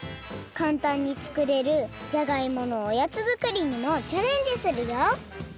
かんたんに作れるじゃがいものおやつ作りにもチャレンジするよ！